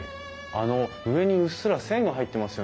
あの上にうっすら線が入ってますよね。